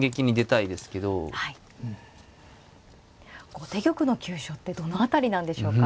後手玉の急所ってどの辺りなんでしょうか。